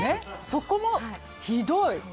そこもひどい！